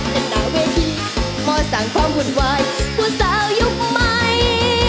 หน้าเวทีหมอสั่งความวุ่นวายผู้สาวยุคใหม่